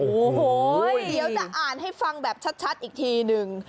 โอ้โหเดี๋ยวจะอ่านให้ฟังแบบชัดอีกทีนึง